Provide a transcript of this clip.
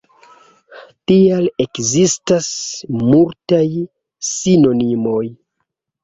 Tial ekzistas multaj sinonimoj.